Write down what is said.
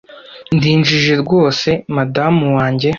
ndi injiji rwose madamu wanjye